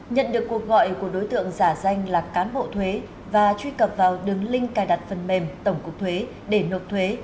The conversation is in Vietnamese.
nhận được cuộc gọi của đối tượng giả danh là cán bộ thuế và truy cập vào đường link cài đặt phần mềm tổng cục thuế để nộp thuế